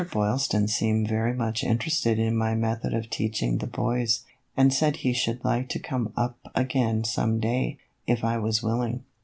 Boylston seemed very much interested in my method of teaching the boys, and said he should like to come up again some day, if I was willing."